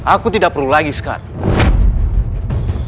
aku tidak perlu lagi sekarang